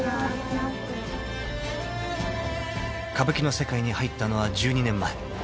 ［歌舞伎の世界に入ったのは１２年前］